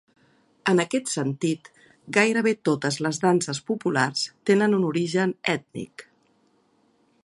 En aquest sentit, gairebé totes les danses populars tenen un origen ètnic.